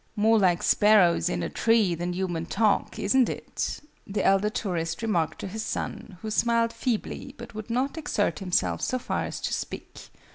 "More like sparrows in a tree than human talk, isn't it?" the elder tourist remarked to his son, who smiled feebly, but would not exert himself so far as to speak.